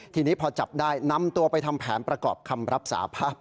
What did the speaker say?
ทีนี้พอจับได้นำตัวไปทำแผนประกอบคำรับสาภาพ